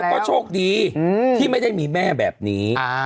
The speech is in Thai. ก็โชคดีที่ไม่ได้มีแม่แบบนี้